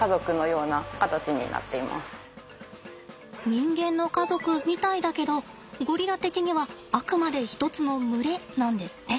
人間の家族みたいだけどゴリラ的にはあくまで一つの群れなんですって。